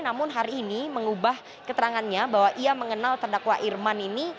namun hari ini mengubah keterangannya bahwa ia mengenal terdakwa irman ini